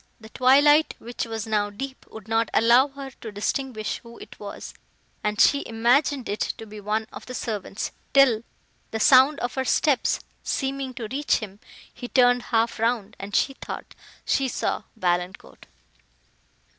The twilight, which was now deep, would not allow her to distinguish who it was, and she imagined it to be one of the servants, till, the sound of her steps seeming to reach him, he turned half round, and she thought she saw Valancourt!